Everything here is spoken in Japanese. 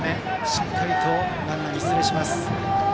しっかりとランナーに出塁します。